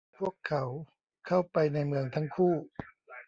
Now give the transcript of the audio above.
พวกเขาเข้าไปในเมืองทั้งคู่